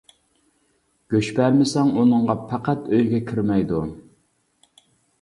گۆش بەرمىسەڭ ئۇنىڭغا پەقەت ئۆيگە كىرمەيدۇ.